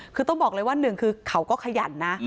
คือต้องบอกเลยว่าหนึ่งคือเขาก็ขยันนะ